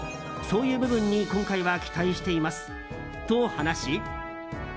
そういう部分に今回は期待していますと話し。